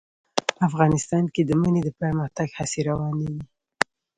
افغانستان کې د منی د پرمختګ هڅې روانې دي.